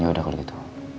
yaudah kalau gitu